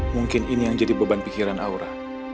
mungkin ini yang jadi beban pikiran aura